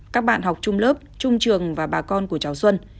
các bạn học trung lớp trung trường và bà con của cháu xuân